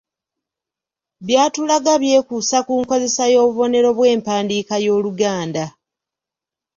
By'atulaga byekuusa ku nkozesa y'obubonero bw'empandiika y'Oluganda.